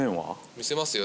見せますよ